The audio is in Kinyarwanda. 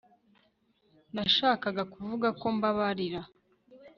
nashakaga kuvuga ko mbabarira